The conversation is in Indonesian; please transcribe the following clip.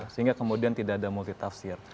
sehingga kemudian tidak ada multitafsir